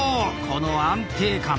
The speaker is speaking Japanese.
この安定感。